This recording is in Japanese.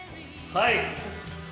はい。